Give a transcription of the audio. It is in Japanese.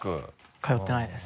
通ってないです。